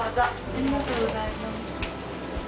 ありがとうございます。